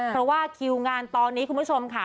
เพราะว่าคิวงานตอนนี้คุณผู้ชมค่ะ